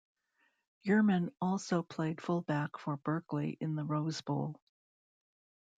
Yerman also played fullback for Berkeley in the Rose Bowl.